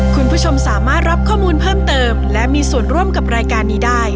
คุณผู้ชมสามารถรับข้อมูลเพิ่มเติมและมีส่วนร่วมกับรายการนี้ได้